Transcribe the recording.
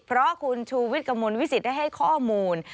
เพราะคุณชูวิทย์กระมวลวิสิตได้ให้ข้อมูล